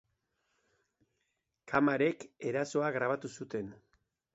Kamarak erasoa grabatu zuten.